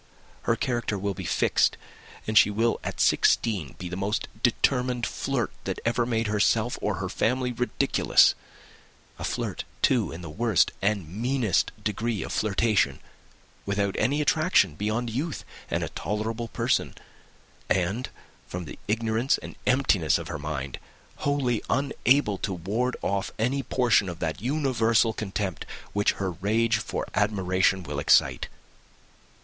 Her character will be fixed; and she will, at sixteen, be the most determined flirt that ever made herself and her family ridiculous; a flirt, too, in the worst and meanest degree of flirtation; without any attraction beyond youth and a tolerable person; and, from the ignorance and emptiness of her mind, wholly unable to ward off any portion of that universal contempt which her rage for admiration will excite.